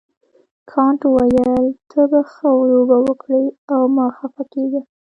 کانت وویل ته به ښه لوبه وکړې او مه خفه کیږه.